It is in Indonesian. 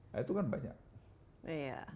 nah itu kan banyak